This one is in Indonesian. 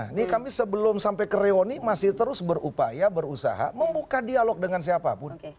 ini kami sebelum sampai ke reuni masih terus berupaya berusaha membuka dialog dengan siapapun